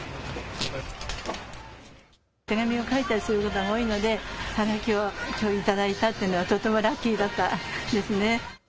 手紙を書いたりすることが多いので頂いたというのはとてもラッキーだった。